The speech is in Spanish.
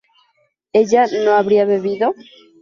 ¿ella no había bebido?